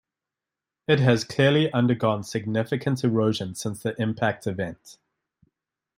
It has clearly undergone significant erosion since the impact event.